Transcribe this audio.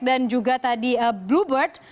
dan juga tadi bluebird